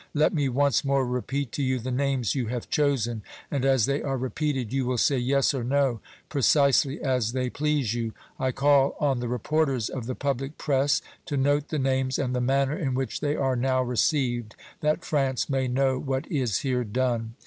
Let me once more repeat to you the names you have chosen, and as they are repeated, you will say 'yes' or 'no,' precisely as they please you; I call on the reporters of the public press to note the names and the manner in which they are now received, that France may know what is here done."